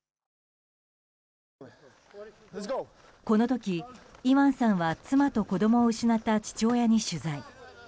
この時、イワンさんは妻と子供を失った父親に取材。